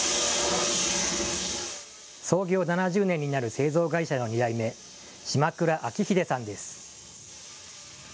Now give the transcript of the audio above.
創業７０年になる製造会社の二代目、島倉彰秀さんです。